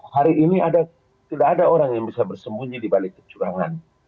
hari ini tidak ada orang yang bisa bersembunyi di balik kecurangan